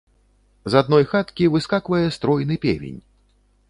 З адной хаткі выскаквае стройны певень.